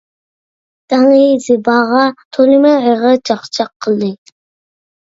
تەڭرى زىباغا تولىمۇ ئېغىر چاقچاق قىلدى.